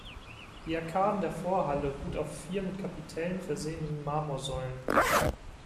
Die Arkaden der Vorhalle ruht auf vier mit Kapitellen versehenen Marmorsäulen.